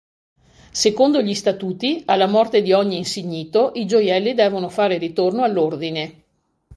Secondo gli statuti alla morte di ogni insignito, i gioielli devono fare ritorno all'Ordine.